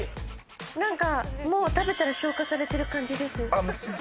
なんかもう食べたら消化されてる感じです。